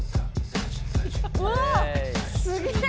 うわあすげえ！